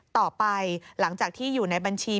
หลังจากที่อยู่ในบัญชี